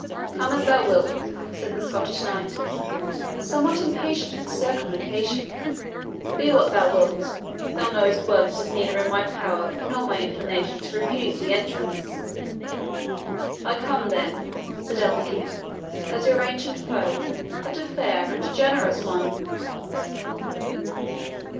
"Come as thou wilt," said the Scottish knight, somewhat impatient of this circumlocution; "be what thou wilt thou knowest well it is neither in my power nor my inclination to refuse thee entrance." "I come, then," said El Hakim, "as your ancient foe, but a fair and a generous one."